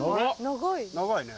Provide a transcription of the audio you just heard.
長いね。